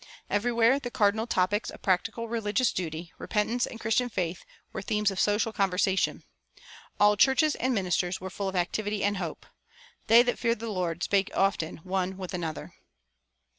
Everywhere the cardinal topics of practical religious duty, repentance and Christian faith, were themes of social conversation. All churches and ministers were full of activity and hope. "They that feared the Lord spake often one with another."